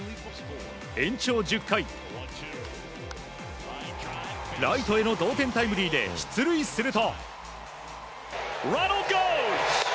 延長１０回、ライトへの同点タイムリーで出塁すると。